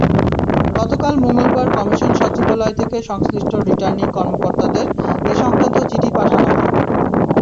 গতকাল মঙ্গলবার কমিশন সচিবালয় থেকে সংশ্লিষ্ট রিটার্নিং কর্মকর্তাদের এ-সংক্রান্ত চিঠি পাঠানো হয়।